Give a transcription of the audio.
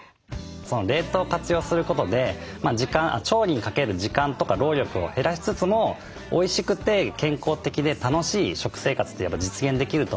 冷凍を活用することで調理にかける時間とか労力を減らしつつもおいしくて健康的で楽しい食生活ってやっぱ実現できると思うんですね。